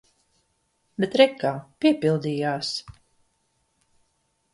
Bet re kā – piepildījās.